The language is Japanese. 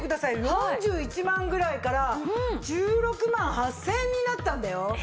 ４１万ぐらいから１６万８０００円になったんだよ。